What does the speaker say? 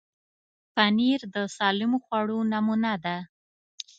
پنېر د سالمو خوړو نمونه ده.